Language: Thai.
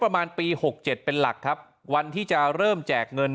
ประมาณปีหกเจ็ดเป็นหลักครับวันที่จะเริ่มแจกเงิน